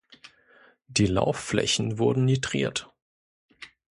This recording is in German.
Die Laufflächen wurden nitriert.